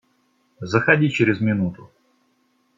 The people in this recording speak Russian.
Заходи через минуту.